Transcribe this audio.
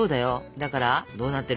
だからどうなってる？